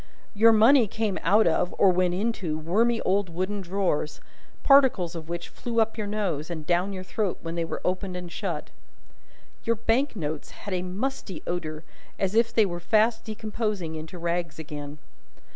Your money came out of, or went into, wormy old wooden drawers, particles of which flew up your nose and down your throat when they were opened and shut. Your bank notes had a musty odour, as if they were fast decomposing into rags again.